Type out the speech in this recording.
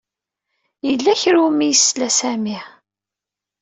Yella kra umi yesla Sami.